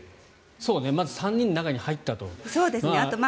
まず３人の中に入ったということで。